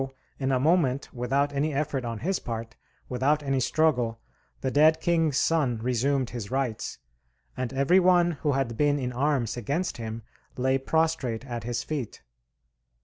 in a moment, without any effort on his part, without any struggle, the dead king's son resumed his rights, and every one who had been in arms against him lay prostrate at his feet.